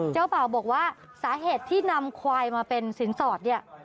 เจ้าบ่าวบอกว่าสาเหตุที่นำควายมาเป็นสินสอดเนี่ย